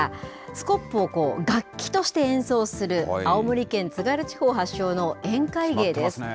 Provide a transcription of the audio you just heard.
スコップを楽器として演奏する、青森県津軽地方発祥の宴会芸です。